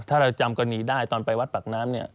ถ้าเราจำกรณีได้ตอนไปวัดปากน้ำเนี่ย